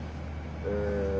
え